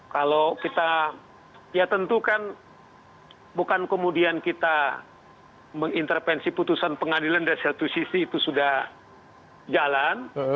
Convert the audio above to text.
kalau kita ya tentu kan bukan kemudian kita mengintervensi putusan pengadilan dari satu sisi itu sudah jalan